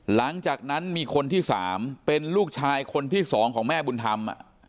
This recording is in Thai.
หลังจากนั้นมีคนที่๓เป็นลูกชายคนที่๒ของแม่บุญธรรม